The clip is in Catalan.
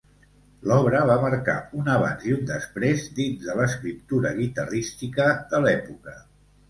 L’obra va marcar un abans i un després dins de l’escriptura guitarrística de l’època.